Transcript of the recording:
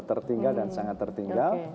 tertinggal dan sangat tertinggal